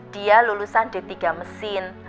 dia lulusan d tiga mesin